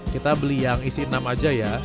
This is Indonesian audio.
kita beli yang isi enam aja ya